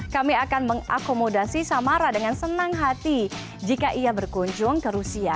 kami akan mengakomodasi samara dengan senang hati jika ia berkunjung ke rusia